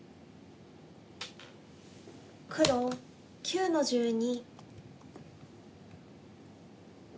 黒９の十二。